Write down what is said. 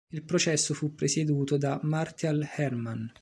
Il processo fu presieduto da Martial Herman.